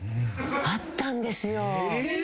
あったんですよ！